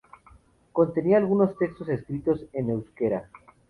Contenía algunos textos escritos en euskera.